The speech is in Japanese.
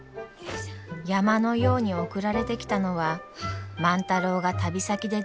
山のように送られてきたのは万太郎が旅先で出会った植物たちでした。